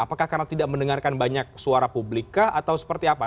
apakah karena tidak mendengarkan banyak suara publika atau seperti apa